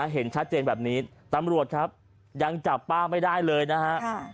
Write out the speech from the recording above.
เห็นชัดเจนแบบนี้ตำรวจครับยังจับป้าไม่ได้เลยนะฮะ